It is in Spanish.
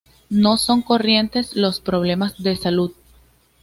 No son corrientes los problemas de salud.